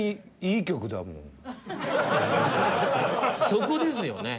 そこですよね。